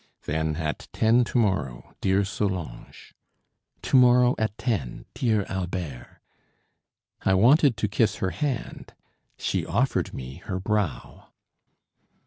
"Then, at ten to morrow, dear Solange." "To morrow at ten, dear Albert." I wanted to kiss her hand; she offered me her brow.